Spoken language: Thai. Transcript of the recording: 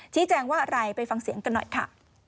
แจ้งว่าอะไรไปฟังเสียงกันหน่อยค่ะ